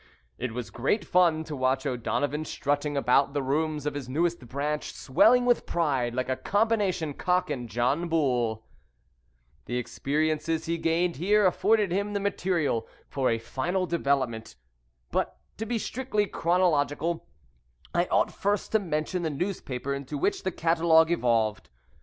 It was great fun to watch O'Donovan strutting about the rooms of his newest branch, swelling with pride like a combination cock and John Bull. [Illustration: WRETCHED LOOKING WOMEN PAWNING THEIR MEMORIES.] The experiences he gained here afforded him the material for a final development, but, to be strictly chronological, I ought first to mention the newspaper into which the catalogue evolved.